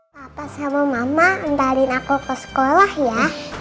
papa sama mama endarin aku ke sekolah ya